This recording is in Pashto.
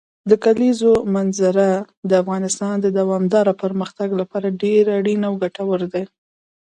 د کلیزو منظره د افغانستان د دوامداره پرمختګ لپاره ډېر اړین او ګټور دی.